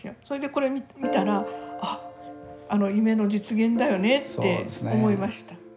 それでこれ見たらあっあの夢の実現だよねって思いました。